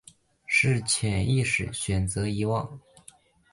是潜意识选择遗忘